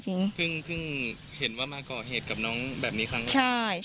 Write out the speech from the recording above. เพิ่งเห็นว่ามาก่อเหตุกับน้องแบบนี้ครั้งนั้น